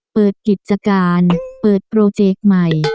เปิดกิจการเปิดโปรเจกต์ใหม่